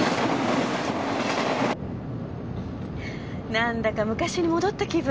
なんだか昔に戻った気分。